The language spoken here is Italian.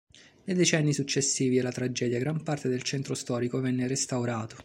Nei decenni successivi alla tragedia gran parte del centro storico venne restaurato.